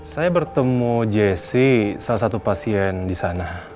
saya bertemu jessy salah satu pasien disana